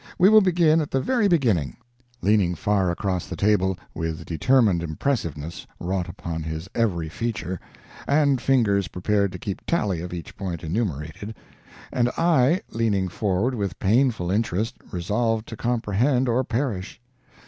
We will begin at the very beginning." [Leaning far across the table, with determined impressiveness wrought upon his every feature, and fingers prepared to keep tally of each point enumerated; and I, leaning forward with painful interest, resolved to comprehend or perish.